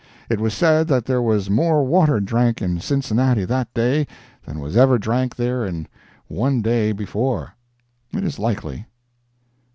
It was said that there was more water drank in Cincinnati that day than was ever drank there in one day before. It is likely.